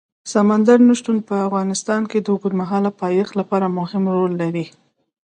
سمندر نه شتون د افغانستان د اوږدمهاله پایښت لپاره مهم رول لري.